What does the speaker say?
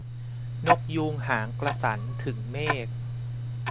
นกยูงหางกระสัน ถึงเมฆ